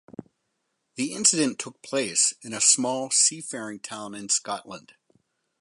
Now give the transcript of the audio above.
The incident took place in a small seafaring town in Scotland.